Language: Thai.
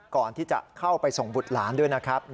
ก่อนที่จะเข้าไปส่งบุตรหลานด้วยนะครับ